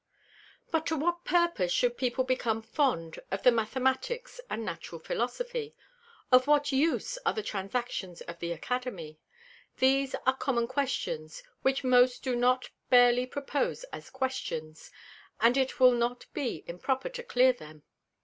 _ But to what purpose should People become fond of the Mathematicks and Natural Philosophy. Of what use are the Transactions of the Academy? These are common Questions, which most do not barely propose as Questions; and it will not be improper to clear them.